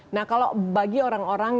nah kalau bagi orang orang